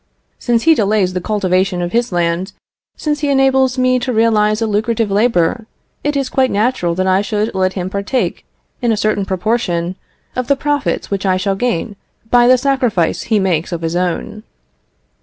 Since he delays the cultivation of his land, since he enables me to realise a lucrative labour, it is quite natural that I should let him partake, in a certain proportion, of the profits which I shall gain by the sacrifice he makes of his own."